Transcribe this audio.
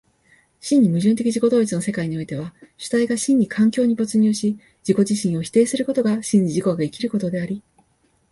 真に矛盾的自己同一の世界においては、主体が真に環境に没入し自己自身を否定することが真に自己が生きることであり、